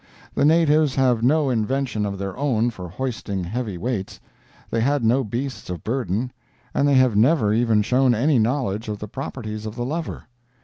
The natives have no invention of their own for hoisting heavy weights, they had no beasts of burden, and they have never even shown any knowledge of the properties of the lever.